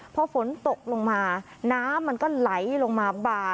พอฝนตกลงมาน้ำมันก็ไหลลงมาบ่า